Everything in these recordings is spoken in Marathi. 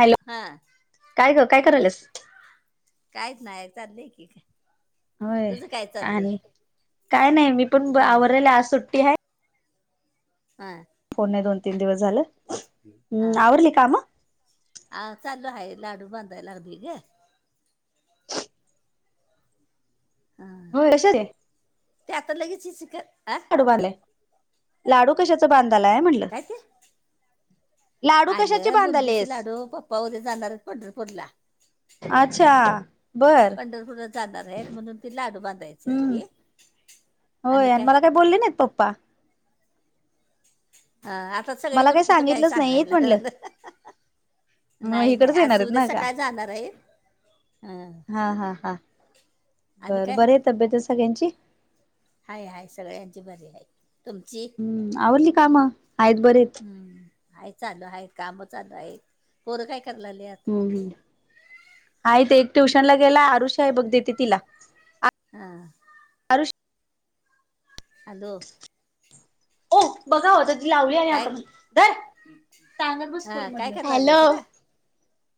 हॅलो हा काय ग काय करालस काहीच नाही चालले की होय तुझं काय चाललंय आणि काय नाही मी पण हा आवरलेले आज सुट्टी आहे हा कोनणे दोन तीन दिवस झाले हा आवरली कामा हा चालू हाय लाडू बांधायला ग हा कशाचे ते आता लगेचचिक करणार लाडू लाडू कशाच बांधलाय म्हटलं लाडू अग कशाचे बुंदीचे बांधालेस लाडू पप्पा उद्या जाणार आहेत पंढरपूरला अच्छा बर पंढरपूरला जाणार आहेत म्हणून ते लाडू बांधायचे आहेत हम्म की होय आणि मला काय बोलले नाहीत पप्पा ह आता मला काही सगळीकडून कुठं काय सांगितलंच नाहीत सांगायला म्हटलं मग नाही नाही इकडच येणार आज आहेत उद्या ना का सकाळ जाणार आहे हा हा हा आणि बर काय बर आहे तब्येत आहे सगळ्यांची हाय हाय सगळ्यांची बरी आहेय हम्म आवडली काम आहेतत बरेत हा चालू आहे काम चालू आहे पोरे काय करलंलेत ह आहेत ते एक ट्युशन ला गेला आरुषी आहे बघ देते तिला हा हॅलो काय [unintelligible] सांगत बस स्कूल हा काय मधलं करायला हॅलो. लागलेस ग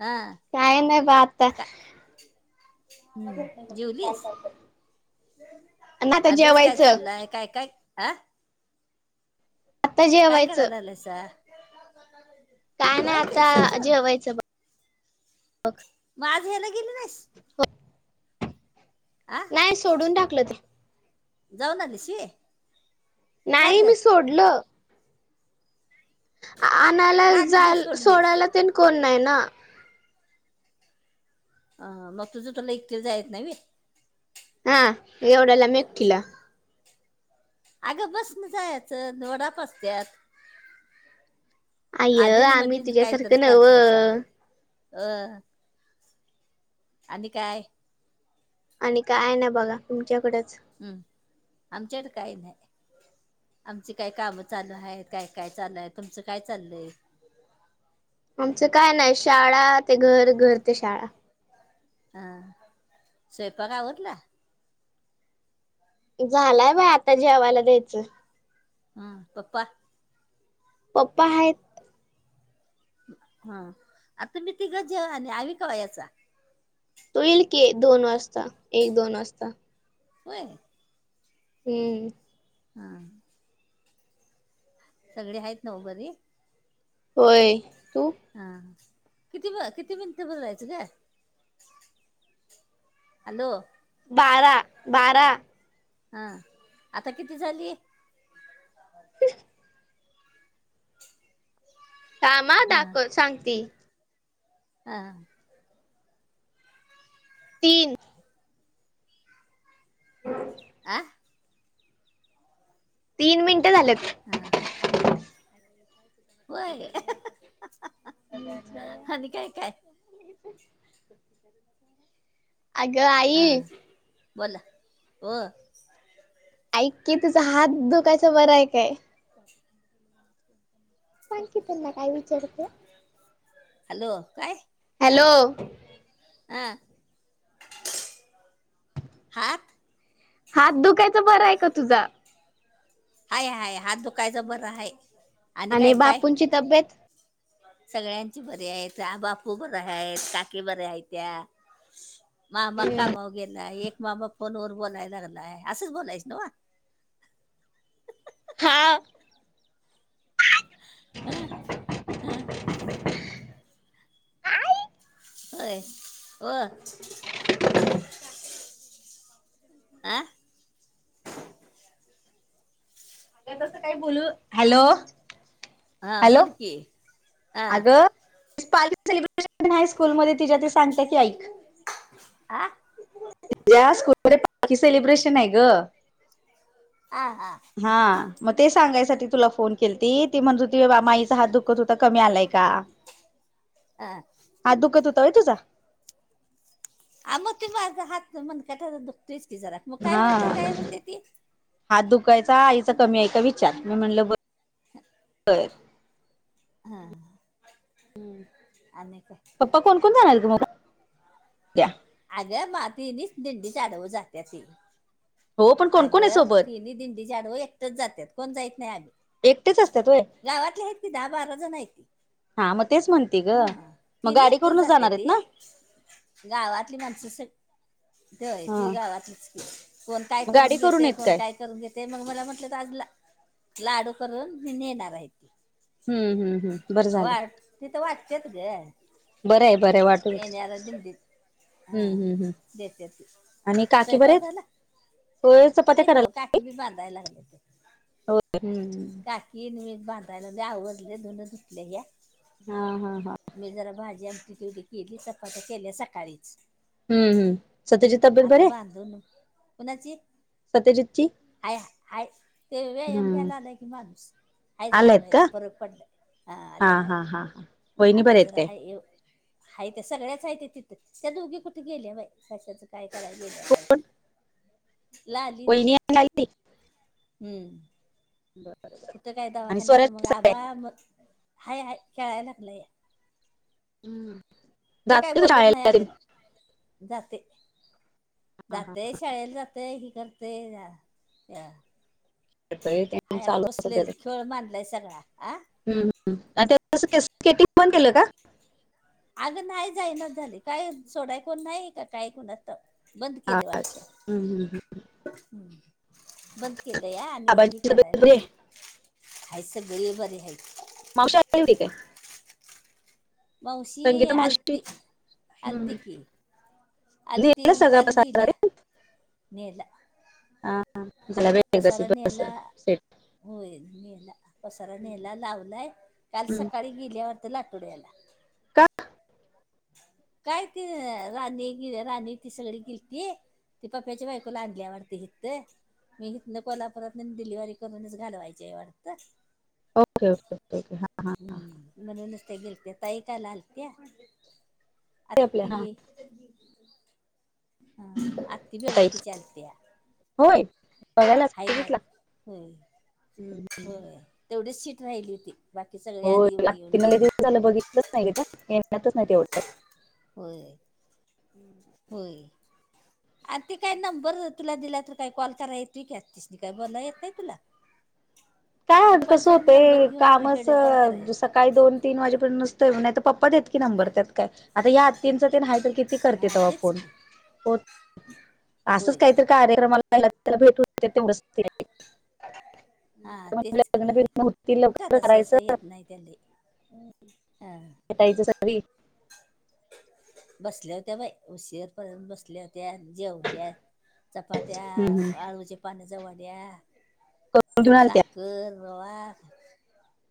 हा काय नाही ब आता काय हम्म जेवलीस? आणि आता अभ्यास काय जेवायचं चाललाय? काय -काय ह आता काय करा जेवायचं लालायस काय नाही जेवायचंस आहे आता अजून जेवायचं मग आज हेला गेली नाहीस? होय [unintelligible] आ नाही सोडून टाकलं ते. जाऊन आलीस व्हय? नाही मी सोडलं. आणायला का ग घे जायला सोडलीस सोडायला तेन कोण नाही ना. अ मग तुझं तुला एकटिला जायला येत नाही व्हय. हा एवढ्या लांब एकटीला. अगं बस न जायचं वडाप असत्यात. [inaudible] आय आधीन आम्ही मधीच तुझ्यासारखं काहीतरीच नव करतायसा बाई अ आणि काय? काय नाही बघा तुमच्याकडच. हम्म आमच्याकड काय नाही. आमची काय कामं चालू आहेत काय- काय चालू आहे तुमचं काय चाललंय? आमचं काय नाही शाळा ते घर, घर ते शाळा. हा, स्वयंपाक आवरला? झालाय बाई आता जेवायला द्यायचं. हं पप्पा? पप्पा आहेत. हा आता तुम्ही तिघंच जेवाय, आणि आवी कवा यायचा? तो येईल की दोन वाजता, एक -दोन वाजता. होय. हे... हा. सगळी आहेत नव्ह बरी? होय तू? हा किती ब -किती मिनिट बोलायचं ग? हॅलो बारा, बारा हा, आता किती झाली? [inaudible] थांब हा दाखव- सांगती. हा. तीन. हम [inaudible] आ तीन मिनिटं झाल्यात. हा. त्या [inaudible] होय आणि काय काय [unintelligible] [unintelligible] अग हा आई. बोला, ओ. ऐक की तुझा हात दुखायचा बरं आहे काय? सांग की त्यांना काय विचारत. [inaudible] हॅलो, काय? हॅलो अं हातं हातं दुःखाच्यां बरं आहे कां तुझां हायं हायं हातं दुःखाचं बरं हायं आणि कायं कायं बापूंची तब्येत सगळ्यांची बरी आहेतं आं बापूं बरे आहेतं काकी बरे आहेत्यां [unintelligible] मामा कामांवर गेलायं एक मामा फोनवरं बोलायं लागलायं असंच बोलायचं नव हां अं होयं ओ आं [unintelligible] त्यांत असं कायं बोलू हॅलो हा हॅलो बोल की हा अंग बाहेर सेलिब्रेशन नाहीं स्कूलू मध्यें तिच्यां ते सांगते ती ऐक आं तिच्यां स्कूंलमंध्ये बां सेलिब्रेशनं आहे गं हां हां हां मंग ते सांगायंसाठी तुलां फोन केलती ती म्हणतं होती माईचां हातं दुःखतं हुतां कमी आलांय कां [unintelligible] अं हातं दुखतं होतां व्हय तुझां आं मंग त्यो माझां हातं मणगटातं दुखतोयचं की जरां हां आं हातं दुखायचां आईचां कमी आहे कां विचारं मी म्हणलं ब बरं हां आणि कायं पप्पां कोण कोण जाणारं मंग उद्यां अगं मातीनीचं दिंडी च्यां अदोगरं जात्यांती हो पण कोण कोण आहे अगं सोबत तिनी दिंडी त्यां अदोगरं एकटंच जात्यांत कोण जाईत नाहीं एकटेच असतात होय आम्हीं गावांतली आहेतं की दहा बारा जणं आहेत ती हां मं तेचं म्हणते गं मंग गांडी करूंनचं जाणारं आहेतं नां गावांतली माणसं संग व्हय ती हा गांवातलीचं की कोण कायं मग गाडी करूंन करून घेतयं येत कोण काय कायं करूंन घेतयं ते मंग मलां म्हटलंत आंज लांडू करूंन मी नेणारं आहे तं हम्मं हम्मं हम्मं बरं झालं तिथं वाटत्यांत गं बरं आहे बरं वांट हम्मं हा हम्मं हम्मं देते ती आणि काकी बरंयां आहेतं आयतो काकी बी बांधाय लागलं ते हो हम्मं काकी न मी बांधायलां लोय आवरलयं धूंन धुतलयां हा हा हा मी जरां भांजी आमटी तेवढी केली चपांत्या केल्यां सकाळीचं हम्मं हम्मं सत्यांची तब्येत बरी हायं कोणांची सत्यजितची हायं हायं ते व्यायांम हम्म घायलां आलांय की कि माणूंस कां झालां आलायत का फरक पडलं हां हा आले हा हा हा वहिनी आतां बरे आहेत जरां काय हां यं हं ते सगळ्यांचं आहेतं ते तिथं त्यां दोघे कुंठे गेले बाई कशाचं कायं करायं गेलं कोण वहिनी नाहीं आहे नायंकी हम्मं बरं कुठं कायं दवाखान्यांत मंग आंबा मंग हायं हायं खेळायलां लागलं हम् ते जात काय बोलत नाही अगं जाते हा हा जात. शाळेला जात हि करते त्या हाय आता चालू बसलेय त. खेळ माांधलाय सगळा आं ह् आणि त्या केटिंग बंद केलं का. अग नाही जायना झाले काय सोडाय कोण नाही का काय कोण आता. बंद हा केले वाट अच्छा हम्म हम्म हम्म. हम्. बंद केलं या आणि हे बाबांची तब्येत करायला बरी हलं आहे खायचं वे बर घ्यायचं. मावशली काय? माऊशी संगीता मावशी आलती आलती हम्म. की. अल त नेलं सगळं पसारा कलगलय रे नेल. हा. हा झाला बाई एकदा सी बस प्रसरनला. सेट होयल नेला पसारा नेला लावलाय काल हम्म. सकाळी गेल्यावरत लाठोड्याला. का काय ती राणी ग राणी ती सगळी गिलती. ती पप््याची बायको लागल्यावरती हि मी ह कोल्हापुरात डिलिव्हरी करूनच घालवायची आहे वाटत. ओके ओके ओे हा हां. हम्म तई काला आलतय. हम ते आपल्या हा आत्ती ताई कडे आहे. होय बघायलाचघितला होय हम. होय तेवढीच सीट राहिली होती. बाकी सगळे हो आज येऊन येऊन ति गेले दिवस झालं बघितलंच नाही त्या येण्यातच नाही तेवढ्यात. हो हो. आणि ते काय नंबर तुला दिला तर काही कॉल करा येत की तिस नाही काही बन येत नाही तुला. काय कसं पप्पांच्या नंबर होतय घेऊन कामच व्हिडिओ कॉल कराय काही दोन ती वाजेपर्यंत नुसत येऊन नाही तर पप्प देत की नंबरत काय आता या तींच तीन हा तर किती करते हा ते्हा तेच फोन की हो. असंच होय काहीतरी कार्यक्रमाला भेटून तेवढ का? हा तेच लग्न की बिग्न होतील कुठ लवकर तस असं करायचं येत नाही त्याले हा. टायचं सगळी. बसल्या होत्या बाई उशीरपर्यंत बसल्या हो. त्या जेवल्या चपात्या, आळूचे पाण्याचा वड्या. घेऊन आलत्या साखर रवा.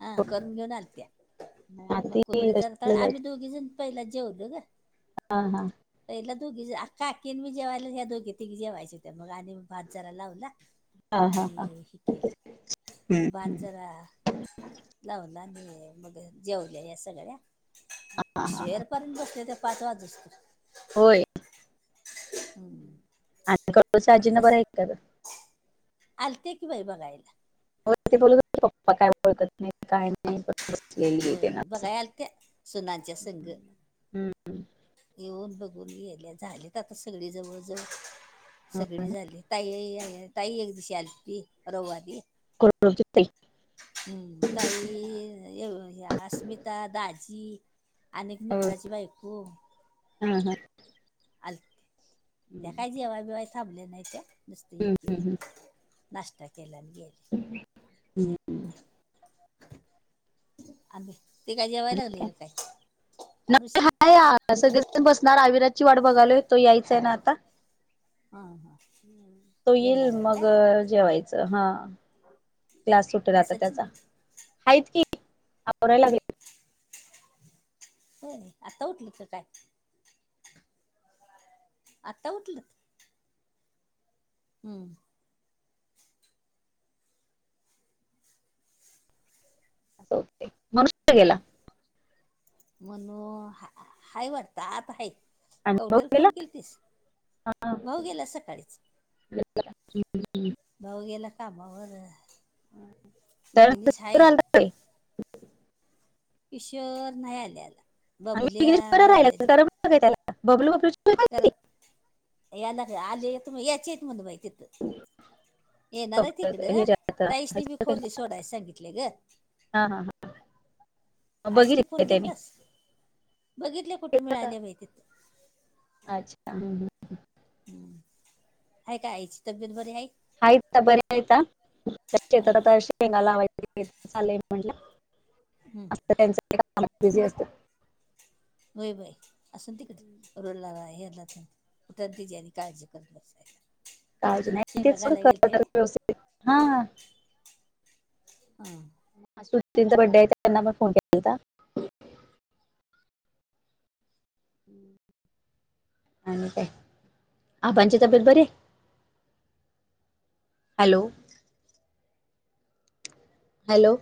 हा बघ करून घेऊन आलत मग आती कुरड्या ज कशाला आम्ही यायचं? दोघी जण पहिला जेवलो ग. हा हा. तरला दोघी काकीन मी जेवायला्या दोघी ती जेवायचे हो त्या मग आणि मी भात जराा लावला. हम्. आणि हे केल हम्म. भद जरा लावून ला म मग जेवल्या या सगळ्या हुशीर पर्यंत बसले ते पाच वाज बसत. होय. हम्म. आणि कच आजीना बरं बस आहे का आलते की बाई बघायला. ते बोलत पप्पा काय ळखत नाही काय नाही. बसलेली अ आहे ते ना बघायला आलत्या सुनांच्या सग. हम्म. येऊन बघून गेल्या झालेत आता सगळी जवळजवळ. सगळी झाली ताई ताई एक दिवशी आली ती रविवारी. कर [unintelligible] हम्म काई अस्मिता दाझी आणिक हो. मित्राची. बाई कु हा हा. आल त्या काय जेव्हा बेवाय थांबले नाही त्या नुसते ये के नाष्ट्ता केला आणि गेले. ह [unintelligible] हम्म. आध ते काय जेवाय लागले ना काय नाही, अरुशी हाय आ, सगळेजण बसणार आविराातची वाट बघालोय तो यायच आहे ना आता. हा हा. तो येईल मग जेवायचं हा क्लास सुटला आणि आता सचिन त्याचा हच की आवरायला लागले. [inaudible] होय आता उठलीत का काय आता उठल हम्म. असं हो मणुष गेला म्हण हाय वाटतं आत हाय अनुभव कवट्याला गेला फोन केली तस भाऊ गेला सकाळीच [inaudible] भाऊ गेला कामावर तर आला विघनेश आहे तर काय? किशोर नाही आल्या आला आणि बाबल्या विघ्नेश बरं बाबल्या राहिला कारण त्याला बबलू बबलू तर याला का आल य त म याचे येत म्हला माहिती येणार आहे तिकडं हे जे आता- ताईशनी बी खोली सोडाय सांगितले ग. हा हा हा आईसनी बघितले फोन केल त्याने तस बघितले कुठे मिळाले माहितीथ. अच्छा हमम. हम्म आहे का आईची तब्येत बरी आहे. आयता बरीयता. ात हां आ शेंगाला चा म्हटलं. हम. त्यां बिझी असतं होय बाय असून तिकड [unintelligible] तर तेजी अन् काळजी करत असायला काज नाही ते व्यवस्थित हा हम. सुतींचा बड्डे आहे त्यांना पण फोन केला होता. आणि काय आबांची तब्येत बरी आहे. हॅलो. हॅलो